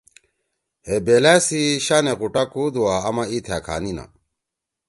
ہے بیلا سی شانے غوٹہ کودُوا۔ آما ای تھا کھا نینا۔